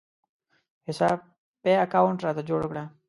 حساب پې اکاونټ راته جوړ کړه